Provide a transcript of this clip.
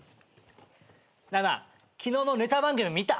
なあなあ昨日のネタ番組見た？